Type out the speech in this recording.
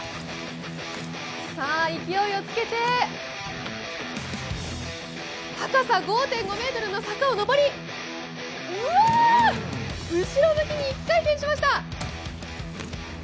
さあ、勢いをつけて、高さ５．５ｍの坂を上り、後ろ向きに一回転しました。